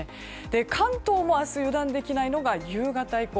関東も明日、油断できないのが夕方以降。